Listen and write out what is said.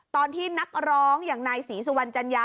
ตอนที่นักร้องอย่างนายศรีสุวรรณจัญญา